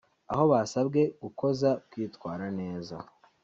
aho basabwe gukoza kwitwara neza